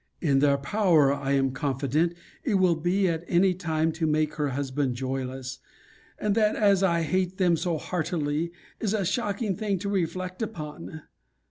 In their power, I am confident, it will be, at any time, to make her husband joyless; and that, as I hate them so heartily, is a shocking thing to reflect upon.